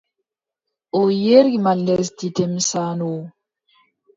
O yerima lesdi Demsa no.